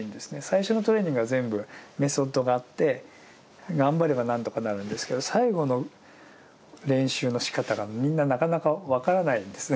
最初のトレーニングは全部メソッドがあって頑張れば何とかなるんですけど最後の練習のしかたがみんななかなか分からないんです。